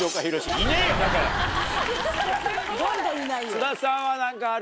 須田さんは何かある？